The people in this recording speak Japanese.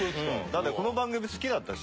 だってこの番組好きだったし。